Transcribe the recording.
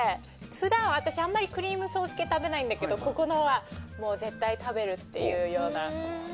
普段私あんまりクリームソース系食べないんだけどここのは絶対食べるっていうような。